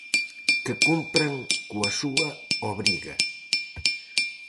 Que cumpran coa súa obriga.